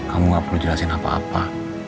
kamu gak perlu jelasin apa apa